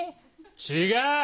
違う！